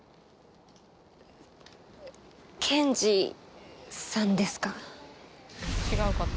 健二さんですか？